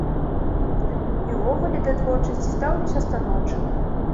І ўвогуле да творчасці стаўлюся станоўча.